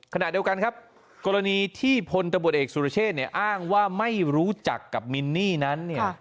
ขณะเดียวกันครับกรณีที่พลตำรวจเอกสุรเชษอ้างว่าไม่รู้จักกับมินนี่นั้น